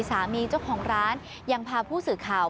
สามีเจ้าของร้านยังพาผู้สื่อข่าว